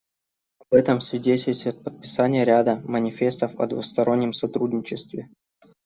Об этом свидетельствует подписание ряда манифестов о двустороннем сотрудничестве.